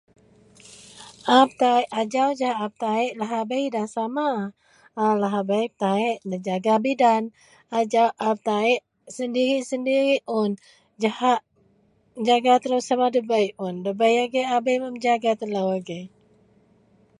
A betaek ajau jegem a betaek lahabei nda sama. A lahebei betaek nejaga bidan, ajau a betaek sendiri-sendiri un jahak nejaga telou sama debei un. Ndabei agei a menjaga telou.agei